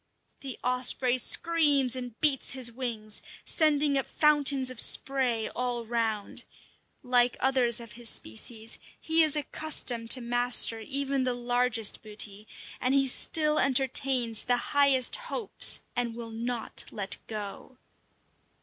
The osprey screams and beats his wings, sending up fountains of spray all round. Like others of his species, he is accustomed to master even the largest booty, and he still entertains the highest hopes and will not let go.